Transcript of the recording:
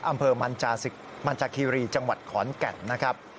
อำเภอมันจาคีรีจังหวัดขอนแก่นนะครับ